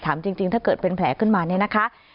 ถามจริงถ้าเกิดเป็นแผลขึ้นมาเนี่ยนะคะ